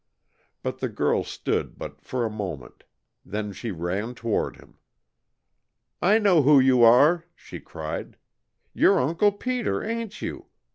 But the girl stood but for a moment. Then she ran toward him. "I know who you are!" she cried. "You 're Uncle Peter, ain't you?